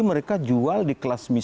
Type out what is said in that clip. harga tertingginya untuk